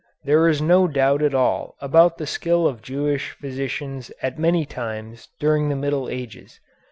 There is no doubt at all about the skill of Jewish physicians at many times during the Middle Ages.